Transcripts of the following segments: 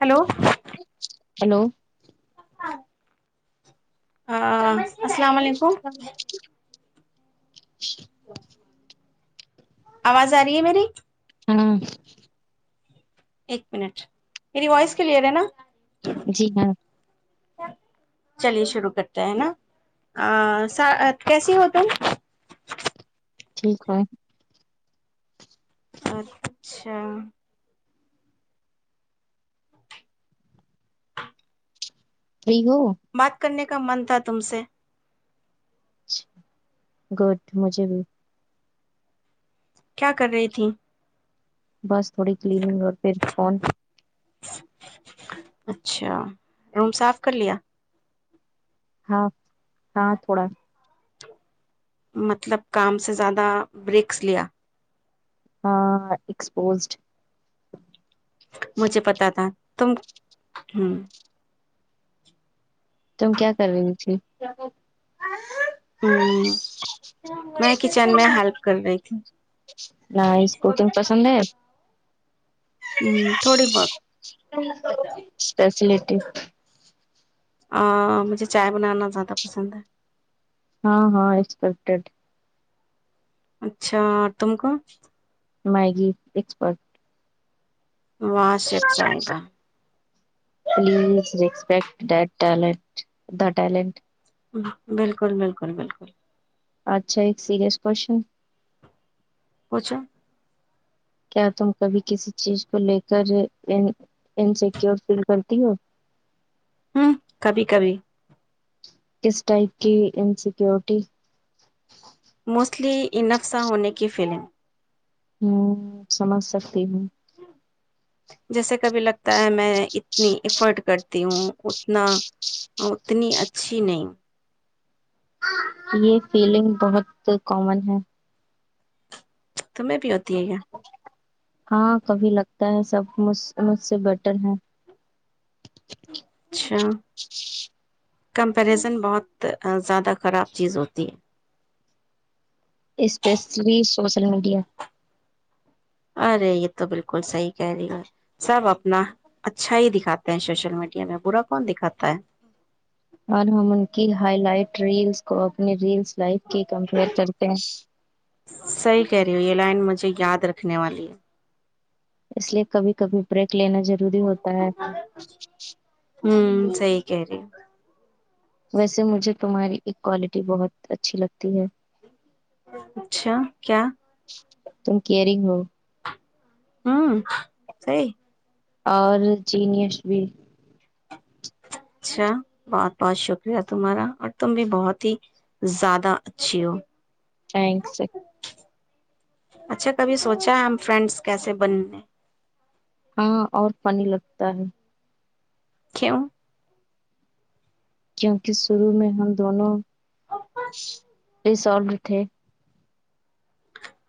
hello hello [unintelligible] ہاں [unintelligible] السلام علیکم [unintelligible] [inaudible] [unintelligible] تو [unintelligible] آواز آ رہی ہے میری [unintelligible] ہاں [unintelligible] ایک منٹ میری وائس کلیئر ہے نا [unintelligible] جی ہاں [unintelligible] چلیے شروع کرتا ہے ہے نا کیسی ہو تم [unintelligible] ٹھیک ہے [unintelligible] اچھا [unintelligible] جی ہو [unintelligible] بات کرنے کا من تھا تم سے [unintelligible] چ گڈ مجھے بھی [unintelligible] کیا کر رہی تھیں [unintelligible] بس تھوڑی کلننگ اور پھر [unintelligible] کون [unintelligible] اچھا روم صاف کر لیا [unintelligible] ہاں [inaudible] [unintelligible] ہاں تھوڑا [unintelligible] مطلب کام سے زیادہ بریکس لیا [unintelligible] ہاں ایکسپوزڈ [unintelligible] مجھے پتا تھا تم ہوں [inaudible] [unintelligible] تو کیا کر گچھی [unintelligible] ہ میں کچن میں ہیلپ کر رہی تھی نائس [unintelligible] ہوں تھوڑی بہت اسپیشلی [inaudible] [unintelligible] [inaudible] [unintelligible] آ مجھے چائے بنانا زیادہ پسند ہے [unintelligible] ہاں ہاں ایکسپیکٹیڈ [unintelligible] اچھا تم کو [unintelligible] مائگی ایکسپرٹ [unintelligible] واشف صاحبہ [unintelligible] پلیز رپٹ ٹیٹ دا ٹینٹ [unintelligible] بالکل بالکل بالکل [unintelligible] اچھا ایک سیریاس کوشن [unintelligible] پوچھا [inaudible] [unintelligible] کیا تم کبھی کسی چیز کو لے کر انسیکیور فیل کرتی ہو [unintelligible] ہوں کبھی کبھی [unintelligible] کس ٹائپ کی ان سیکورٹی [unintelligible] موسلی انفسا ہونے کی فلم [unintelligible] ہوں سمجھ سکتی ہوں [unintelligible] جیسے کبھی لگتا ہے میں اتنی افرٹ کرتی ہوں اتنا اتنی اچھی نہیں یہ فیلنگ بہت کامن ہے تمہیں بھی ہوتی ہے کیا ہاں کبھی لگتا ہے سب م مجھ سے بیٹر ہے اچھا کمپریزن بہت زیادہ خراب چیز ہوتی ہے اسپیشلی سوشل میڈیا ارے یہ تو بالکل صحیح کہہ رہی ہے سب اپنا اچھا ہی دکھاتے ہیں سوشل میڈیا میں برا کون دکھاتا ہے اور ہم ان کی ہائی لائٹ ریلس کو اپنی ریلس لائف کی کمپیئر کرتے ہیں صحیح کہہ رہی ہو یہ لائن مجھے یاد رکھنے والی ہے اس لیے کبھی کبھی بریک لینا ضروری ہوتا ہے ہوں صحی کہہ رہی ویسے مجھے تمہاری ایک کوالٹی بہت اچھی لگتی ہے اچھا کیا تم کیئرگ ہو ہوں سی [inaudible] اور چین یش بھی اچھا بہت بہت شکریہ تمہارا اور تم بھی بہت ہی زیادہ اچھی ہو تھینکسر اچھا کبھی سوچا ہے ہم فرینڈس کیسے بننے ہاں اور پانی لگتا ہے کوں کیونکہ شروع میں ہم دونوں یہ سال ر تھے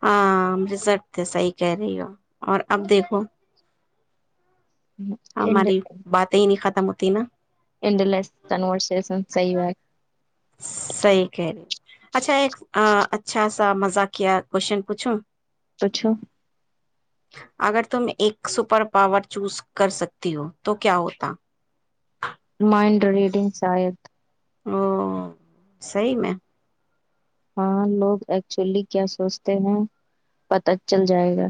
ہاں ا رزرٹ تھ صحیح کہہ رہی ہو اور اب دیکھو ہماری باتیں ہی نہیں خط س متیینا ان ل تنوور شیشم سوا صحیح کہہ رہے اچھا ایک اچھا سا مزا کیا کوشچن پوچھوں اوچھا اگر تم ایک سپر پاور چوز کر سکتی ہو تو کیا ہوتا مائنڈ ریڈنگ شاائید او صی میں ہاں لوگ ایکچولی کیا سوچتے ہیں پت چل جائے گا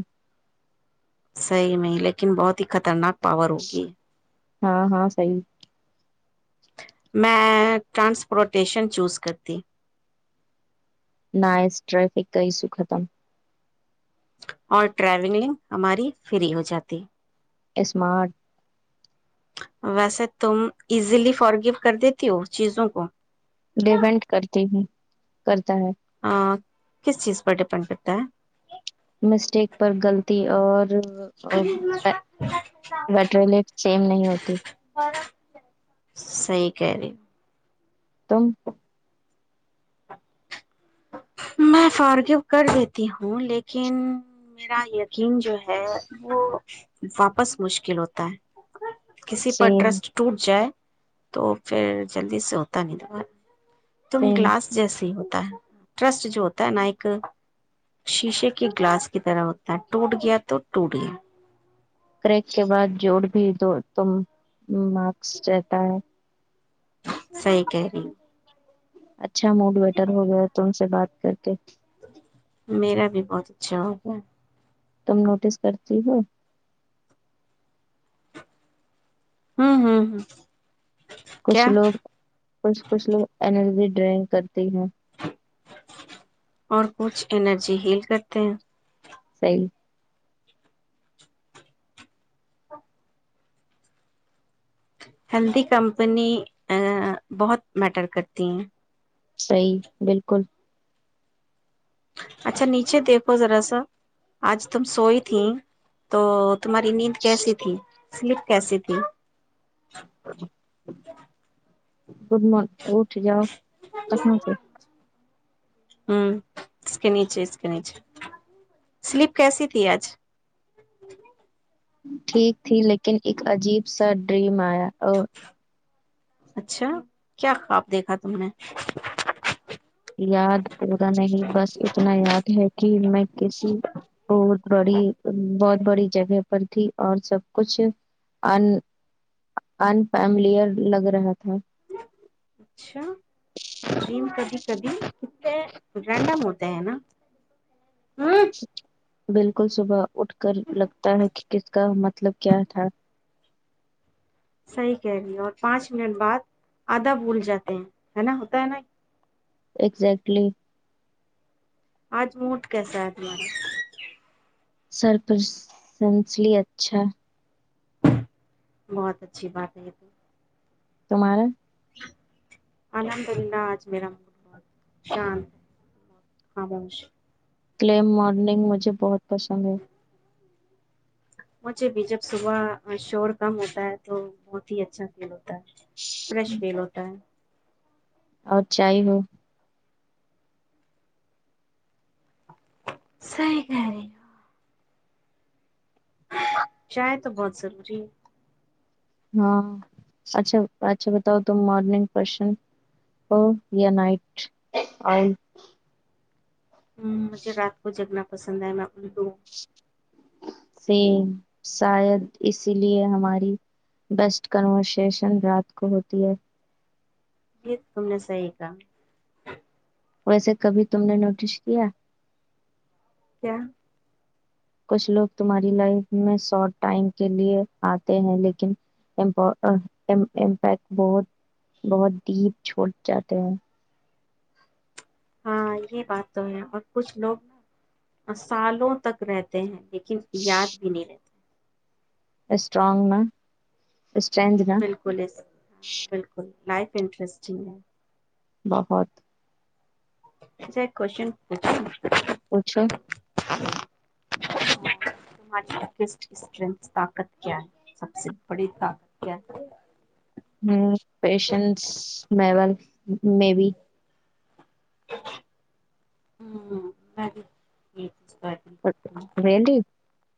صحیح نہیں لیکن بہت ہی خطرناک پا روکے ہاں ہاں صحی میں ٹرانسپورٹیشن چوز کرتی نائس ٹرفک کرئی س ختم اور ٹریولنگ ہماری فری ہو جاتی اسمارٹ ویسے تم ایزیلی فارگو کر دیتی ہو چیزوں کو ڈیپینٹ کرتی ہے کرتا ہے کس چیز پر ڈیپینڈ کرتا ہے مسٹیک پر غلطی اور وٹریلی سیم نہیں ہوتی سی کہہ رہی تمک میں فارگو کر دیتی ہوں لیکن میرا یقین جو ہے وہ واپس مشکل ہوتا ہے کسی پر سیم ٹرسٹ ٹوٹ جائے تو پھر جلدی سے ہوتا نہیں دوبا تم سیم گلاس جیسی ہو ٹرسٹ جو ہوتا ہے نا ایک شیشے کے گلاس کی طرح ہوتا ہے ٹوٹ گیا تو ٹوٹ گیا کریک کے بعد جوڑ بھی دو تم مارس رہتا ہے سی کہری اچھا موڈ ویٹر ہو گیا تو ان سے بات کر کے میرا بھی بہت اچھا ہو گیا تم نوٹس کرتی ہو ہوں ہوں ہ کچھ کیا لوگ کچھ کچھ لوگ ارجی ڈرائنگ کرتی ہوں اور کچھ انرجی ہیل کرتے ہیں صی ہیلدی کمپنی بہت میٹر کرتی ہیں صحیح بالکل اچھا نیچے دیکھو ذرا سا آج تم سوئی تھی تو تمہاری نیند کیسی تھی سلپ کیسی تھی گڈ مارنگ اٹ جاؤ ککھنا سے ہ اس کے نیچے اس کے نیچے سلیپ کیسی تھی آج ٹھیک تھی لیکن ایک عجیب سا ڈریم آیا اور اچھا کیا خواب دیکھا تم نے یاد پورا نہیں بس اتنا یاد ہے کہ میں کسی بہت بڑی بہت بڑی جگہ پر تھی اور سب کچھ ان انفیملیر لگ رہا تھا اچھا ڈریم کبھی کبھی کتنے رینڈم ہوتے ہیں نا اچ بالکل صبح اٹھ کر لگتا ہے کہ کس کا مطلب کیا تھا صحیح کہہ رہی اور پانچ منٹ بعد آدھا بھول جاتے ہیں ہے نا ہوتا ہے نا اگزیکٹلی آج موٹ کیسا ہےتی سر پرسنسلی اچھا بہت اچھی بات ہے یہ تو تمہارا الحمد للہ آج میرا من بہت شانت ہےاموش کلیم مارننگ مجھے بہت پسند ہے مجھے بھی جب صبح شور کم ہوتا ہے تو بہت ہی اچھا فیل ہوتا ہے فریش فیل ہوتا ہے اور چائے ہو صی کہہ رہی چائے تو بہت ضروری ہے ہاں اچھا اچھا بتاؤ تم مارننگ پرشن ہو یا نائٹ آؤ ہ مجھے رات کو جگنا پ پسند ہےم م تو سے شاید اسی لیے ہماری بیسٹ کنورسیشن رات کو ہوتی ہے یہ تم نہ صی گ ویسے کبھی تم نے نوٹس کیا کیا کچھ لوگ تمہاری لائف میں شارٹ ٹائم کے لیے آتے ہیں لیکن امپیکٹ بہت بہت ڈیپ چھوڑ جاتے ہیں ہاں یہ بات تو ہے اور کچھ لوگ نا سالوں تک رہتے ہیں لیکن یاد بھی نہیں رہتی اسٹرانگ نا اسٹرینتھ نا بالکل اس بالکل لائف انٹرسٹینگ ہے بہت ایک کویسچن پوچھو اچھا ہماری اسٹرنتھ طاقت کیا ہے سب سے بڑی طاقت کیا ہے ہاں پیشنس لیول مے بھی [unintelligible] [unintelligible]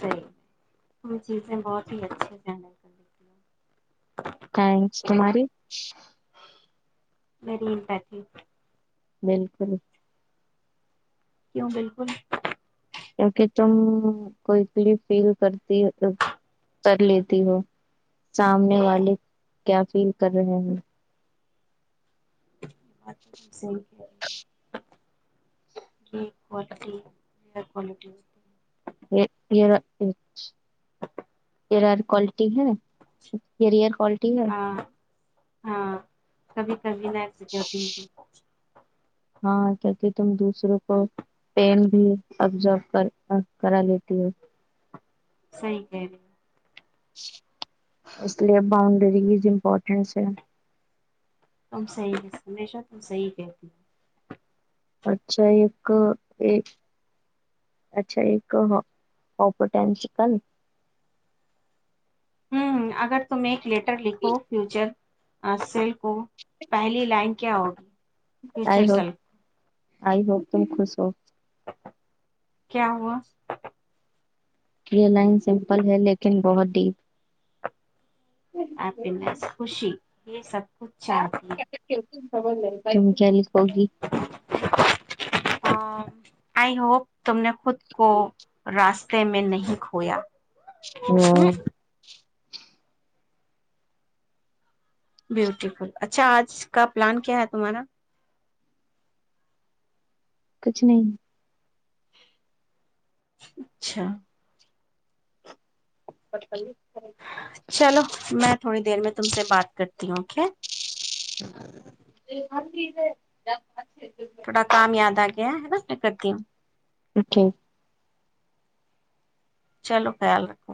صحی ہے ہم چیزیں بہت ہی اچھے سے ہینڈل کر دیتی تھینکس تمہاری [unintelligible] بالکل کیوں بالکل کیونکہ تم کوئیلی فیل کرتی کر لیتی ہو سامنے والے کیا فیل کر رہے ہو یہ بات تو صحی کہہ رہی ہے یہ کوالٹی کوالٹی ہے [unintelligible] کیریر کوالٹی ہےکیریر کوالیٹی ہے ہاں ہاں تبھی نائک سکورٹی ہاں کی کہ تم دوسروں کو پین بھی ابزر کر کرا لیتی ہو صحی کہ رہی اس لئے باؤنڈریز امپورٹنس ہے تم صحی ہمیشہ تم صحی کہتی ہو اچھا ایک اچھا ایک اور پوٹینل شل ہوں اگر تم ایک لیٹ ر لکھو فیوچر [inaudible] کو پہلی لائن کیا ہوگا آئی ہوپ آئی ہوپ تم خوش تو کیا ہوا یہ لائن سمپل ہے لیکن بہت ڈیپ ہیپس خوشی یہ سب کچھ چاہتی خب نہیںائ شم کہ لیک ہوگی آئی ہوپ تم نے خود کو راستے میں نہیں کھویا نہیں بیوٹیفل اچھا آج کا پلان کیا ہے تمہارا کچھ نہیں اچھا پ پلی چلو میں تھوڑی دیر میں تم سے بات کرتی ہوں اوکے ب ج ج آ تھوڑا کام یاد آ گیا ہے نا میں کرتی ہوں اٹھ چلو خیال رکھو